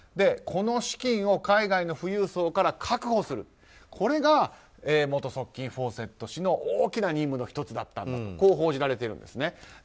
この資金を海外の富裕層から確保するのが元側近フォーセットの大きな任務の１つだったとこう報じられているんです。